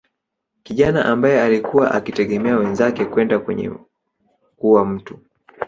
Kijana ambae alikuwa akitegemea wenzake kwenda kwenye kuwa mtu